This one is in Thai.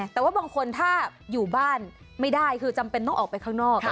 แต่ว่าบางคนถ้าอยู่บ้านไม่ได้คือจำเป็นต้องออกไปข้างนอก